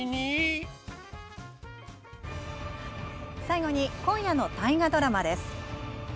最後に今夜の大河ドラマです。